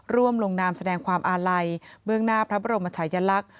ร่วมลงนามแสดงความอาลัยเบื้องหน้าพระบรมชายลักษณ์